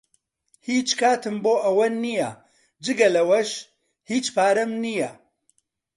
هیچ کاتم بۆ ئەوە نییە، جگە لەوەش، هیچ پارەم نییە.